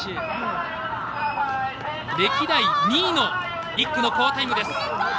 歴代２位の１区の好タイムす。